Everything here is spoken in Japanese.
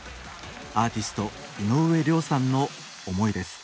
アーティスト井上涼さんの思いです。